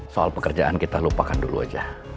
soal pekerjaan kita lupakan dulu aja